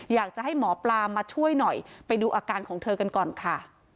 อยากจะให้หมอปลามาช่วยหน่อยไปดูอาการของเธอกันก่อนค่ะ